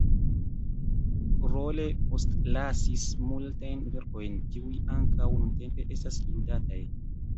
Rolle postlasis multajn verkojn, kiuj ankaŭ nuntempe estas ludataj.